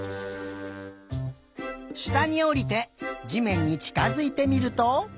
したにおりてじめんにちかづいてみると。